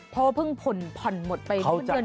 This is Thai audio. เพราะว่าเพิ่งผ่นผ่อนหมดไปทุนเงินทุนแล้วคือ